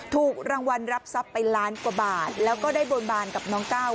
ถูกรางวัลรับทรัพย์ไปล้านกว่าบาทแล้วก็ได้บนบานกับน้องก้าว